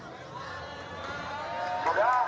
sudah terima kasih arus melalui kita sudah mengalir